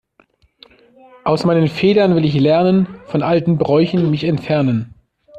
Aus meinen Fehlern will ich lernen, von alten Bräuchen mich entfernen.